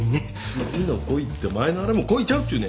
次の恋って前のあれも恋ちゃうちゅうねん。